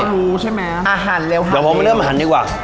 คุณผู้ใช่ไหมอ่าหั่นเร็วหั่นเร็วเดี๋ยวผมเริ่มหั่นดีกว่า